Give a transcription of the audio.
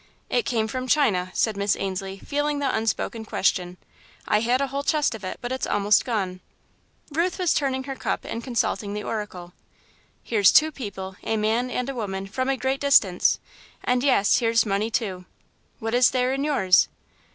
"It came from China," said Miss Ainslie, feeling the unspoken question. "I had a whole chest of it, but it's almost all gone." Ruth was turning her cup and consulting the oracle. "Here's two people, a man and a woman, from a great distance, and, yes, here's money, too. What is there in yours?"